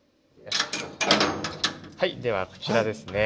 はいではこちらですね。